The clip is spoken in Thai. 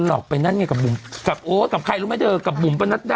หลอกไปนั่นไงกับโอ้บุมบันดาด้วยให้บุมแต่งหน้าด้วยอ่ะ